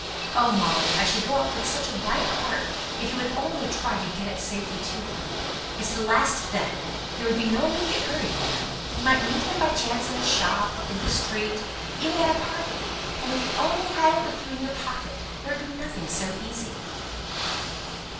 Oh, Molly, I should go off with such a light heart if you would only try to get it safely to him. It's the last thing; there would be no immediate hurry, you know. You might meet him by chance in a shop, in the street, even at a party and if you only had it with you in your pocket, there would be nothing so easy."